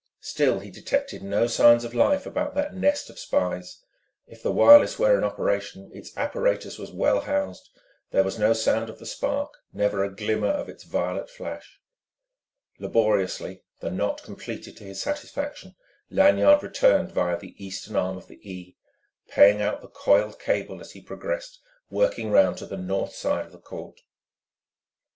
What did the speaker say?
Still he detected no signs of life about that nest of spies: if the wireless were in operation its apparatus was well housed; there was no sound of the spark, never a glimmer of its violet flash. Laboriously the knot completed to his satisfaction Lanyard returned via the eastern arm of the E, paying out the coiled cable as he progressed, working round to the north side of the court.